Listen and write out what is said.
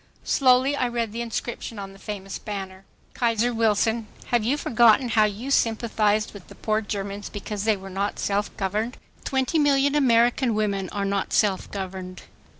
Slowly I read the inscription on the famous banner, "Kaiser Wilson, have you forgotten how you sympathized with the poor Germans because they were not self governed? Twenty million American women are not self governed.